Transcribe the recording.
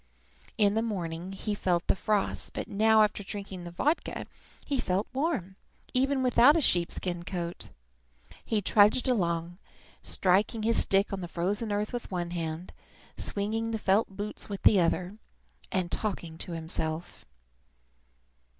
In the morning he had felt the frost; but now, after drinking the vodka, he felt warm, even without a sheep skin coat. He trudged along, striking his stick on the frozen earth with one hand, swinging the felt boots with the other, and talking to himself.